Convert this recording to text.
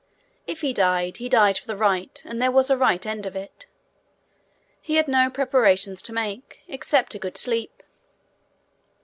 If he died, he died for the right, and there was a right end of it. He had no preparations to make, except a good sleep.